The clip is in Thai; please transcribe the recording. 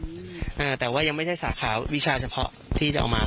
อ่าแต่ว่ายังไม่ใช่สาขาวิชาเฉพาะที่จะเอามา